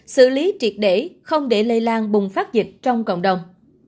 xử lý triệt để không để lây lan bùng phát dịch trong cộng đồng